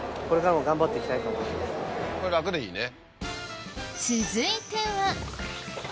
これ楽でいいね。